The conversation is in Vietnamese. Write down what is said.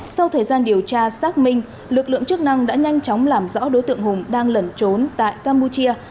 sau thời gian điều tra xác minh lực lượng chức năng đã nhanh chóng làm rõ đối tượng hùng đang lẩn trốn tại campuchia